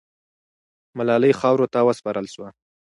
ملالۍ خاورو ته وسپارل سوه.